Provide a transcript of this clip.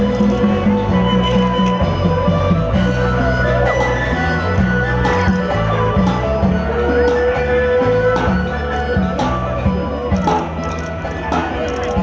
สวัสดีครับ